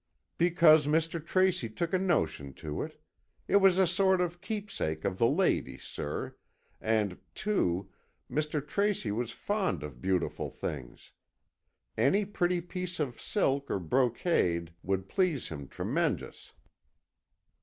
"Because Mr. Tracy took a notion to it. It was a sort of keepsake of the lady, sir, and, too, Mr. Tracy was that fond of beautiful things. Any pretty piece of silk or brocade would please him tremenjous."